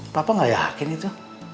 papa nggak yakin itu